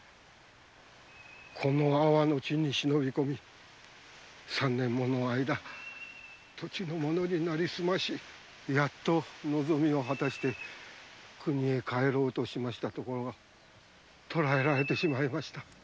この阿波の地に忍び込み三年もの間土地の者になりすましやっと望みを果たして故郷へ帰ろうとしましたが捕えられてしまいました。